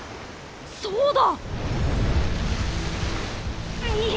そうだ！